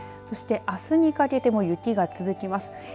そして、あすにかけても雪が続きます。